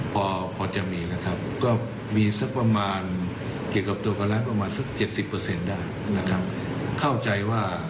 พอจะมีนะครับก็มีเกี่ยวกับตัวคนร้ายประมาณสัก๗๐เปอร์เซ็นต์ได้